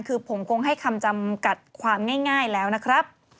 คือผมคงให้คำจำกัดความง่ายแล้วนะครับ